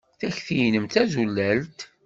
Takti-nnem d tazulalt.